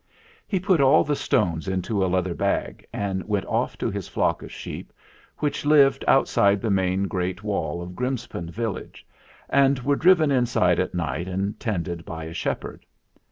He put all the stones into a leather bag and went off to his flock of sheep, which lived out side the main great wall of Grimspound vil lage, and were driven inside at night and tended by a shepherd.